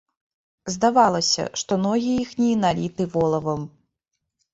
Здавалася, што ногі іхнія наліты волавам.